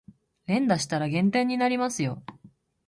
連打したら減点になりますよ